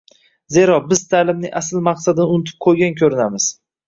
Zero, biz ta’limning asl maqsadini unutib qo‘ygan ko‘rinamiz.